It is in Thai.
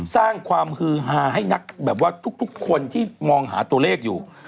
สร้างความฮือฮาให้นักแบบว่าทุกคนที่มองหาตัวเลขอยู่